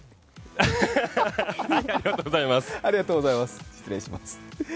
ありがとうございます。